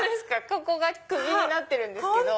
ここが首になってるんですけど。